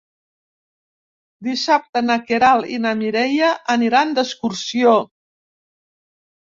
Dissabte na Queralt i na Mireia aniran d'excursió.